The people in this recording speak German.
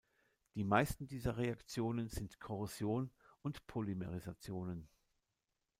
Die meisten dieser Reaktionen sind Korrosion und Polymerisationen.